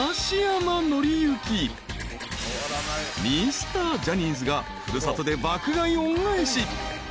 ［ミスタージャニーズが古里で爆買い恩返し］